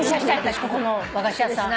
私ここの和菓子屋さん。